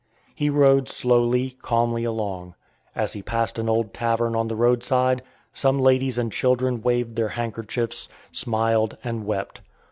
He rode slowly, calmly along. As he passed an old tavern on the roadside, some ladies and children waved their handkerchiefs, smiled, and wept.